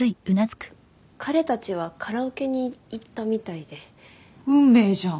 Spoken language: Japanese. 彼たちはカラオケに行ったみたいで運命じゃん